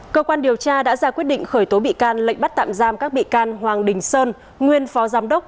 cơ quan điều tra đã ra quyết định khởi tố bị can lệnh bắt tạm giam các bị can hoàng đình sơn nguyên phó giám đốc